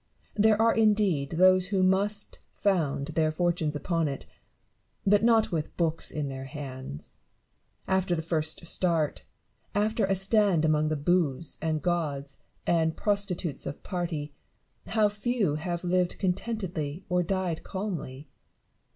There are indeed those who must found their fortunes upon it : but not with books in their hands. After the first start, after a stand among the booths and gauds and prostitutes of party, how few have lived contentedly, or died calmly